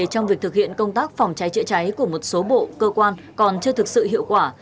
trong việc thực hiện công tác phòng cháy chữa cháy của một số bộ cơ quan còn chưa thực sự hiệu quả